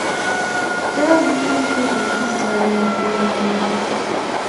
دا هنر دي له کوم ځایه دی راوړی